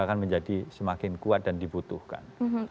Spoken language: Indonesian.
akan menjadi semakin kuat dan dibutuhkan